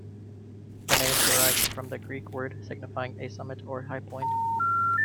The name derived from the Greek word signifying a summit or high point.